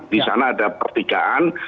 di sana ada pertigaan